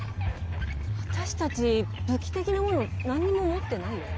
私たち武器的なもの何にも持ってないよ？